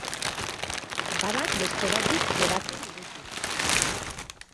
Babak bezperatik beratzen eduki.